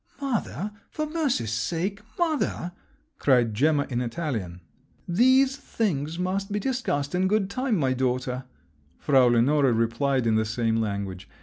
"Mother! for mercy's sake, mother!" cried Gemma in Italian. "These things must be discussed in good time, my daughter," Frau Lenore replied in the same language.